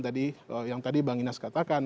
tadi yang tadi bang inas katakan